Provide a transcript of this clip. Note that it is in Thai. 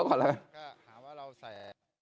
ก็หาว่าเราใส่